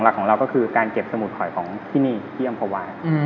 ก็คือการเก็บสมุดคอยของที่นี่ที่อำภาวะ